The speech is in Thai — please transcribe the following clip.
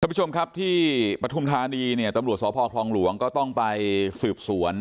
ท่านผู้ชมครับที่ประทุมธานีตำรวจสวพพลองรวงก็ต้องไปสืบสวน